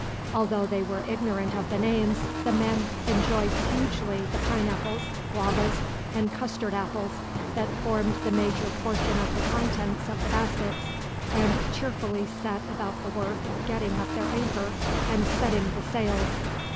Although they were ignorant of the names, the men enjoyed hugely the pineapples, guavas, and custard apples that formed the major portion of the contents of the baskets; and cheerfully set about the work of getting up their anchor, and setting the sails.